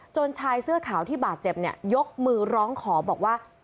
ชายเสื้อขาวที่บาดเจ็บเนี่ยยกมือร้องขอบอกว่า